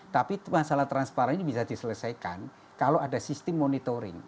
tapi masalah transparan ini bisa diselesaikan kalau ada sistem monitoring